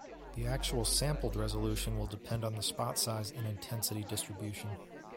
The actual sampled resolution will depend on the spot size and intensity distribution.